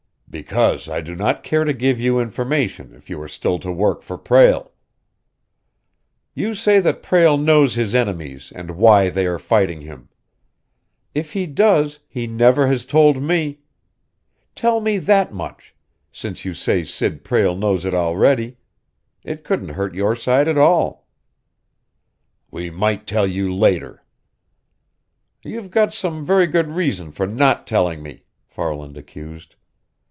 "Because I do not care to give you information if you are still to work for Prale." "You say that Prale knows his enemies and why they are fighting him. If he does, he never has told me. Tell me that much since you say Sid Prale knows it already. It couldn't hurt your side at all." "We might tell you later." "You've got some very good reason for not telling me!" Farland accused.